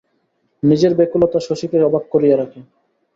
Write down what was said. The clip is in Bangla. নিজের ব্যাকুলতা শশীকে অবাক করিয়া রাখে।